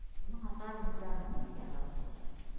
Уның атаһы һеҙгә «ныҡ» ярҙам итәсәк.